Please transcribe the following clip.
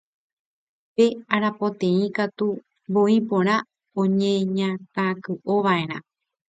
Pe arapoteĩ katu, voi porã oñeñakãky'ova'erã